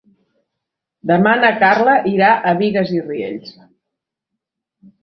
Demà na Carla irà a Bigues i Riells.